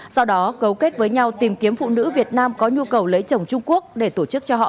sau đó cấu kết với nhau tìm kiếm phụ nữ việt nam có nhu cầu lấy chồng trung quốc để tổ chức cho họ